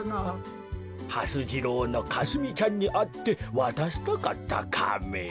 はす次郎のかすみちゃんにあってわたしたかったカメ。